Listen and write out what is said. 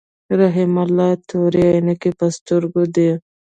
رحیم الله تورې عینکی په سترګو دي.